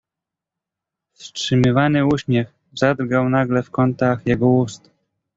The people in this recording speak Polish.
"Wstrzymywany uśmiech zadrgał nagle w kątach jego ust."